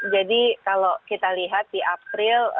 jadi kalau kita lihat di april